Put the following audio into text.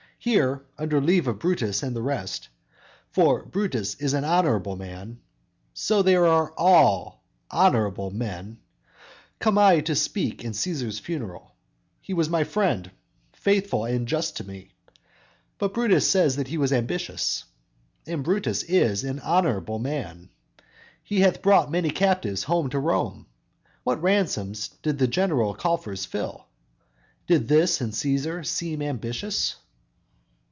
Here, under leave of Brutus and the rest, (For Brutus is an honorable man, So are they all, all honorable men); Come I to speak in Cæsar's funeral. He was my friend, faithful and just to me; But Brutus says he was ambitious; And Brutus is an honorable man. He hath brought many captives home to Rome, Whose ransoms did the general coffers fill; Did this in Cæsar seem ambitious?